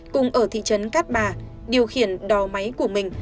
cùng ở thị trấn cát bà điều khiển đò máy của mình